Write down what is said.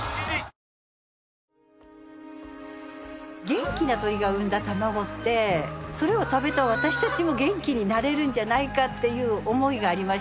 元気な鶏が産んだ卵ってそれを食べた私たちも元気になれるんじゃないかっていう思いがありまして。